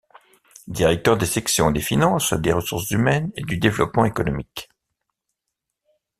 Directeur des Sections des Finances, des Ressources humaines et du Développement économique.